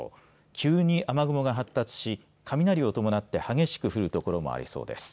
急に雨雲が発達し雷を伴って激しく降る所もありそうです。